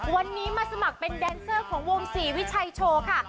วันนี้มาสมัครเป็นแดนเซอร์ของวงศรีวิชัยโชว์ค่ะ